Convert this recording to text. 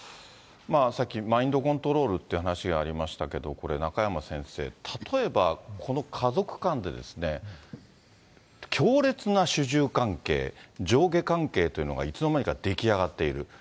さっき、マインドコントロールって話がありましたけど、これ中山先生、例えば、この家族間で、強烈な主従関係、上下関係というのがいつの間にか出来上がっている。